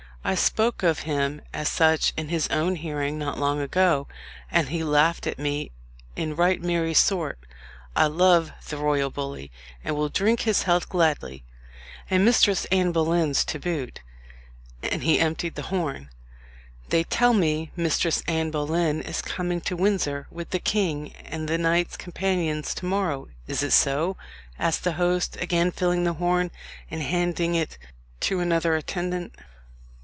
"I spoke of him as such in his own hearing not long ago, and he laughed at me in right merry sort. I love the royal bully, and will drink his health gladly, and Mistress Anne Boleyn's to boot." And he emptied the horn. "They tell me Mistress Anne Boleyn is coming to Windsor with the king and the knights companions to morrow is it so?" asked the host, again filling the horn, and handing it to another attendant.